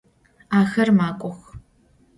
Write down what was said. Axer mak'ox.